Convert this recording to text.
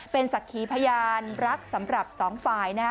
เป็นศักดิ์ขีพยานรักสำหรับสองฝ่ายนะ